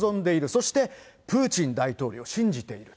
そしてプーチン大統領を信じている。